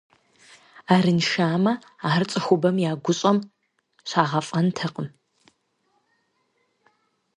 Арыншамэ, ар цӏыхубэм я гущӏэм щагъэфӏэнтэкъым.